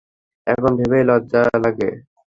এখন ভেবেই লজ্জা লাগে।